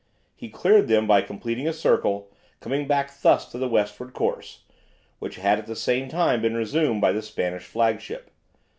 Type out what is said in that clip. He cleared them by completing a circle, coming back thus to the westward course, which had at the same time been resumed by the Spanish flagship.